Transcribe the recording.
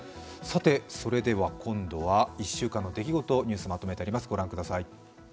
それでは今度は１週間の出来事、ニュースをまとめてあります。